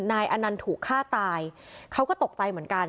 นายอนันต์ถูกฆ่าตายเขาก็ตกใจเหมือนกัน